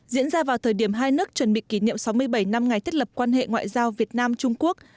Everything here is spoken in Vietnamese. diễn ra vào thời điểm hai nước chuẩn bị kỷ niệm sáu mươi bảy năm ngày thiết lập quan hệ ngoại giao việt nam trung quốc